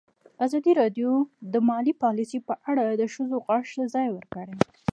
ازادي راډیو د مالي پالیسي په اړه د ښځو غږ ته ځای ورکړی.